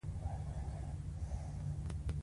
نقیب صاحب ږیره خریله.